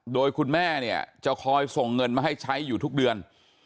โดยคุณแม่เนี่ยจะคอยส่งเงินมาให้ใช้อยู่ทุกเดือน